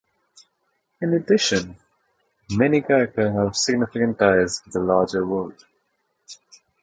In addition, many character have significant ties with the larger world.